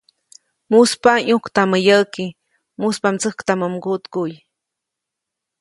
‒Muspa ʼyũktamä yäʼki, mujspa mdsäjktamä mguʼtkuʼy-.